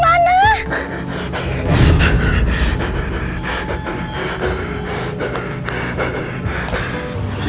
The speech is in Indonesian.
maksudnya kenapa ya